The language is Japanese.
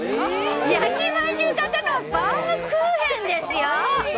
焼きまんじゅう型のバウムクーヘンですよ。